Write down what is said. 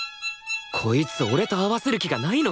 こいつ俺と合わせる気がないのか！？